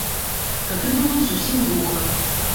Тады было зусім глуха.